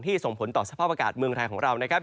ส่งผลต่อสภาพอากาศเมืองไทยของเรานะครับ